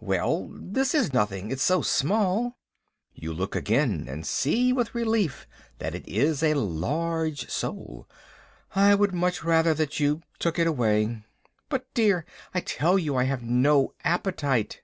"Well, this is nothing, it is so small." You look again, and see with relief that it is a large sole. "I would much rather that you took it away." "But, dear " "I tell you I have no appetite."